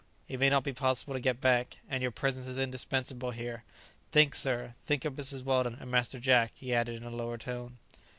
It may not be possible to get back, and your presence is indispensable here. Think, sir, think of Mrs. Weldon, and Master Jack," he added in a lower tone.